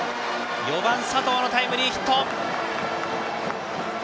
４番、佐藤のタイムリーヒット！